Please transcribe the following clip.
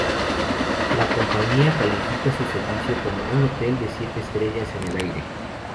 La compañía califica su servicio como un 'hotel de siete estrellas en el aire'.